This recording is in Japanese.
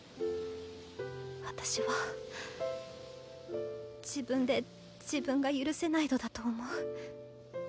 私は自分で自分が許せないのだと思う。